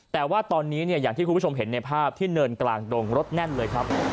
แต่ว่าตอนนี้เนี่ยอย่างที่คุณผู้ชมเห็นในภาพที่เนินกลางดงรถแน่นเลยครับ